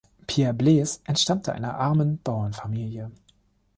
Pierre Blaise entstammte einer armen Bauernfamilie.